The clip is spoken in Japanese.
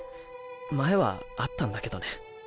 前はあったんだけどね。